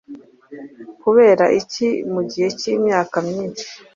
Kubera iki? Mu gihe cy’imyaka myinshi,